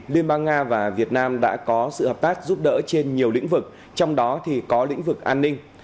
liên bang nga và việt nam đã có sự hợp tác giúp đỡ trên nhiều lĩnh vực trong đó thì có lĩnh vực an ninh